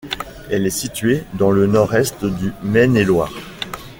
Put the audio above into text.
Elle est située dans le nord-est du Maine-et-Loire.